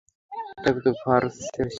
Chanakya for Sher Shah!